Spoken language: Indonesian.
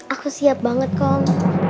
aku siap banget kom